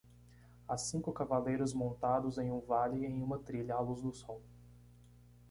Há cinco cavaleiros montados em um vale em uma trilha à luz do sol